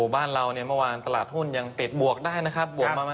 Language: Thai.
บ้านเราเนี่ยเมื่อวานตลาดหุ้นยังปิดบวกได้นะครับ